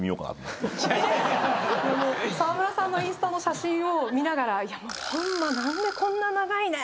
澤村さんのインスタの写真を見ながら。